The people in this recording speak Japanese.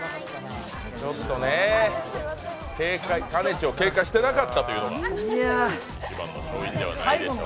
ちを警戒してなかったというのが一番の勝因ではないでしょうか。